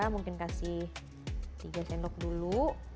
mungkin kasih tiga sendok dulu